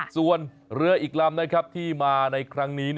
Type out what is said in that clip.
ส่วนเรืออีกลำที่มาในครั้งนี้